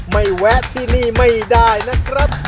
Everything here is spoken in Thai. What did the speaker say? แวะที่นี่ไม่ได้นะครับ